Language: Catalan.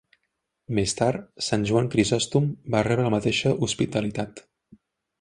Més tard, Sant Joan Crisòstom va rebre la mateixa hospitalitat.